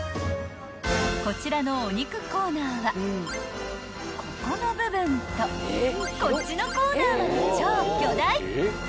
［こちらのお肉コーナーはここの部分とこっちのコーナーまで超巨大］